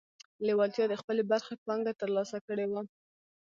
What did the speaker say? لېوالتیا د خپلې برخې پانګه ترلاسه کړې وه